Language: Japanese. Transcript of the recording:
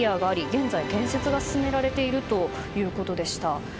現在、建設が進められているということでした。